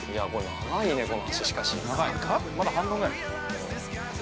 ◆長い、まだ半分ぐらい。